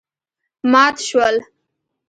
مات شول.